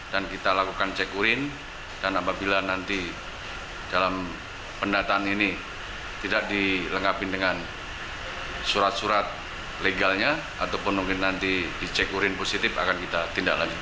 dan kita lakukan cek urin dan apabila nanti dalam pendatangan ini tidak dilengkapi dengan surat surat legalnya ataupun mungkin nanti dicek urin positif akan kita tindak lanjut